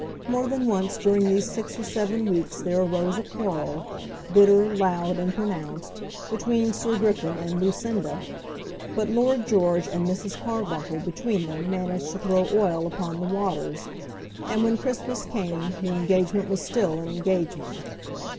More than once during these six or seven weeks there arose a quarrel, bitter, loud, and pronounced, between Sir Griffin and Lucinda; but Lord George and Mrs. Carbuncle between them managed to throw oil upon the waters, and when Christmas came the engagement was still an engagement.